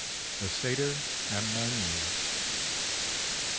THE SATYR AND MY MUSE.